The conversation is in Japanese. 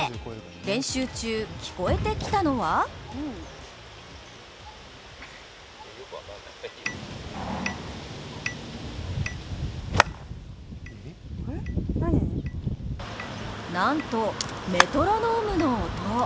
練習中、聞こえてきたのはなんと、メトロノームの音。